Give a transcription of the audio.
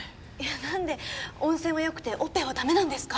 なんで温泉はよくてオペは駄目なんですか？